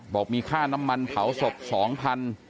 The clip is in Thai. บอกมีค่าน้ำมันเผาศพ๒พัน